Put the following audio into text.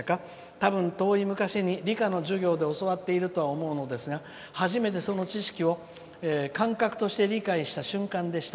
たぶん、遠い昔に理科の授業で教わっていると思うのですが初めてその知識を感覚として理解した瞬間でした。